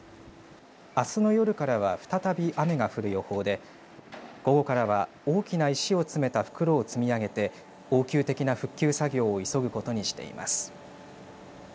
あすの夜からは再び雨が降る予報で午後からは大きな石を詰めた袋を積み上げて応急的な復旧作業を急ぐことにしています。